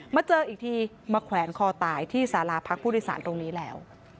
มาเจออีกทีมาแขวนคอตายที่สาราพักผู้โดยสารตรงนี้แล้ว